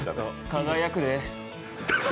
輝くで。